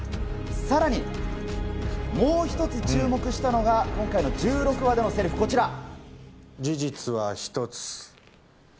さらに、もう一つ注目したのが、今回の１６話でのセリフ、こちら。